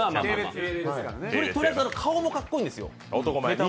とりあえず顔もかっこいいんですよ。